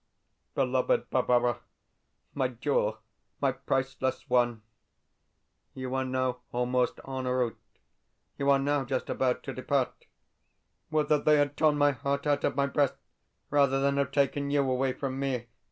BELOVED BARBARA MY JEWEL, MY PRICELESS ONE, You are now almost en route, you are now just about to depart! Would that they had torn my heart out of my breast rather than have taken you away from me!